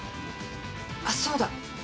あそうだ。